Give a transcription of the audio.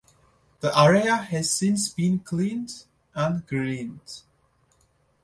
The area has since been cleaned and greened.